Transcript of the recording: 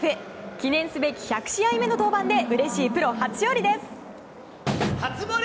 記念すべき１００試合目の登板でうれしいプロ初勝利です。